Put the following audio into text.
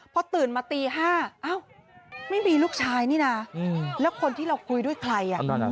พอตื่นมาตี๕ไม่มีลูกชายนี่นะแล้วคนที่เราคุยด้วยใคร